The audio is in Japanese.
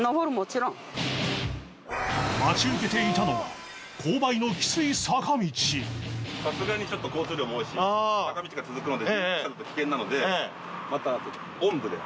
待ち受けていたのはさすがにちょっと交通量も多いし坂道が続くので人力車だと危険なので。